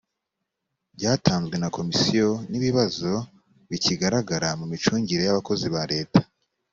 byatanzwe na komisiyo n ibibazo bikigaragara mu micungire y abakozi ba leta